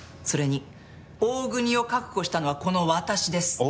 それに大國を確保したのはこの私です。